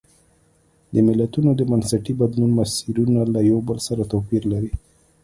د ملتونو د بنسټي بدلون مسیرونه له یو بل سره توپیر لري.